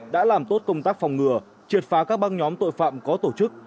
đã làm tốt công tác phòng ngừa triệt phá các băng nhóm tội phạm có tổ chức